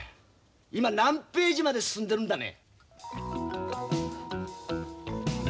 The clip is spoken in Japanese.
今何ページまで進んでるんだね？